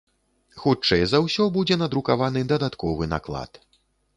Хутчэй за ўсё, будзе надрукаваны дадатковы наклад.